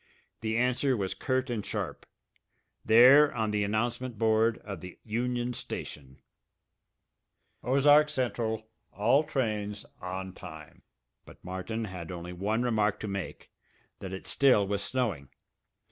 The answer was curt and sharp there on the announcement board of the Union Station: OZARK CENTRAL ALL TRAINS ON TIME But Martin had only one remark to make, that it still was snowing.